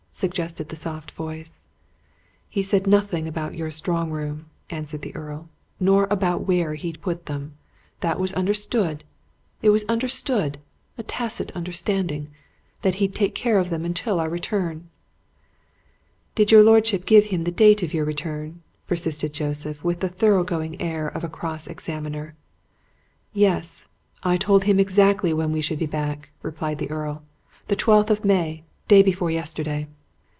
suggested the soft voice. "He said nothing about your strong room," answered the Earl. "Nor about where he'd put them. That was understood. It was understood a tacit understanding that he'd take care of them until our return." "Did your lordship give him the date of your return?" persisted Joseph, with the thorough going air of a cross examiner. "Yes I told him exactly when we should be back," replied the Earl. "The twelfth of May day before yesterday."